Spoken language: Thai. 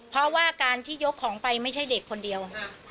เพราะว่าการที่ยกของไปไม่ใช่เด็กคนเดียว